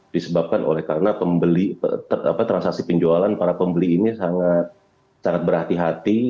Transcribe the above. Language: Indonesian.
disebabkan oleh karena transaksi penjualan para pembeli ini sangat berhati hati